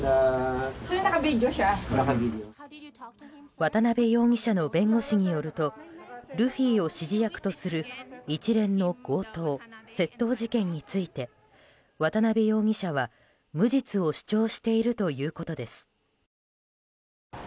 渡邉容疑者の弁護士によるとルフィを指示役とする一連の強盗・窃盗事件について渡邉容疑者は無実を主張しているということです。